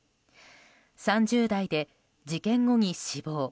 ３０代で、事件後に死亡。